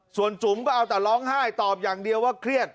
ส่วนจุ๋มก็เอาแต่ร้องไห้ตอบอย่างเดียวว่าเครียด